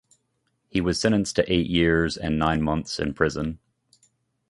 He was sentenced to eight years and nine months in prison.